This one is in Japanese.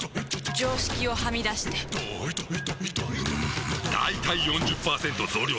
常識をはみ出してんだいたい ４０％ 増量作戦！